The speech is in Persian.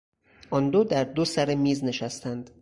آن دو در دو سر میز نشستند.